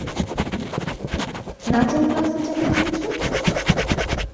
নাচের ক্লাসে যাকে দেখেছ।